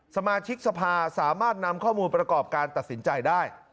สมาชิกสภาสามารถนำข้อมูลประกอบการตัดสินใจได้